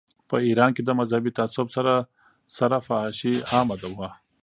په ایران کې د مذهبي تعصب سره سره فحاشي عامه وه.